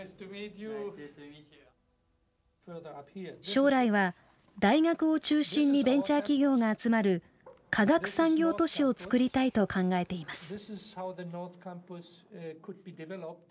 将来は大学を中心にベンチャー企業が集まる科学産業都市をつくりたいと考えています。